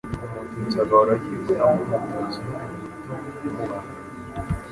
Umututsi agahora yibonamo Umututsi n'Umuhutu umubangamiye,